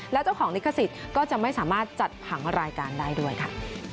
แล้วเจ้าของลิขสิทธิ์ก็จะไม่สามารถจัดผังรายการได้ด้วยค่ะ